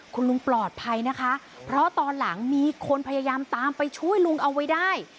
คุณลุงปลอดภัยนะคะเพราะตอนหลังมีคนพยายามตามไปช่วยลุงเอาไว้ได้